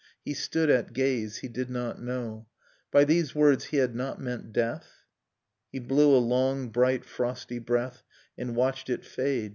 He stood at gaze. He did not know. By these words, — he had not meant death? — He blew a long bright frosty breath, And watched it fade.